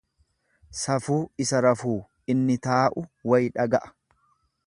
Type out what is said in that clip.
Safuu isa rafuu, inni taa'u wayi dhaga'a.